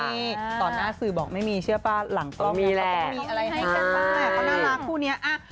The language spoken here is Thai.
นี่ตอนหน้าสื่อบอกไม่มีเชื่อป่ะหลังต้องก็มีอะไรให้กันบ้างแหละเค้าน่ารัก